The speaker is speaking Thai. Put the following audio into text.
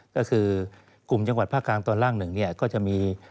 ก็คือกลุ่มจังหวัดภาคกลางตอนล่างหนึ่งเนี่ยก็จะมี